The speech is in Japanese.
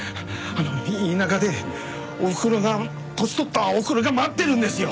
あの田舎でおふくろが年取ったおふくろが待ってるんですよ！